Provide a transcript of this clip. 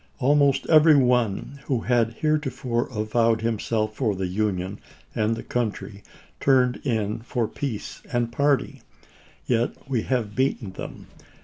Almost every one who had heretofore avowed himself for the Union and the country turned in for peace and party. Yet we have beaten them.